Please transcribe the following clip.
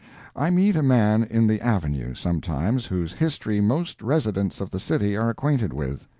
I meet a man in the Avenue, sometimes, whose history most residents of the city are acquainted with.